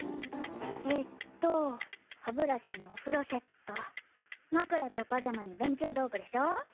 えっと歯ブラシにお風呂セット枕とパジャマに勉強道具でしょ。